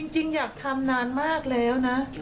จริงอยากทำนานมากแล้วนะ